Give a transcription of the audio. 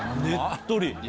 ねっとり！